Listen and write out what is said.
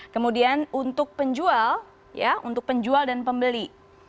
kemudian untuk penjual ya untuk penjual dan pembeli